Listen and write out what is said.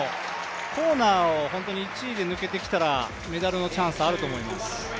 コーナーを１位で抜けてきたらメダルのチャンスあると思います。